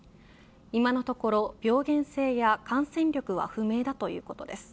今のところ、病原性や感染力は不明だということです。